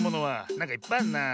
なんかいっぱいあるな。